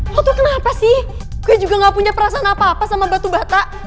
foto kenapa sih gue juga gak punya perasaan apa apa sama batu bata